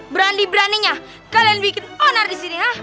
berani beraninya kalian bikin onar di sini ya